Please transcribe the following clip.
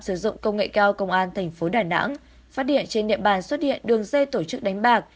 tội phạm sử dụng công nghệ cao công an tp đà nẵng phát điện trên địa bàn xuất hiện đường dây tổ chức đánh bạc